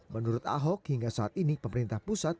menurut ahok hingga saat ini pemerintah pusat